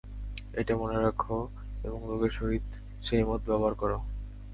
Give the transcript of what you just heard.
এইটি মনে রেখো এবং লোকের সহিত সেইমত ব্যবহার করো।